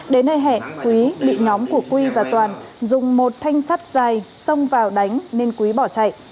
đến nơi hẹn quý bị nhóm của quy và toàn dùng một thanh sắt dài xông vào đánh nên quý bỏ chạy